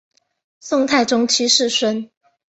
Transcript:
宋太宗七世孙。